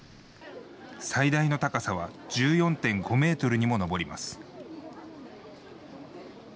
最大の高さは１４．５メートルにも上ります。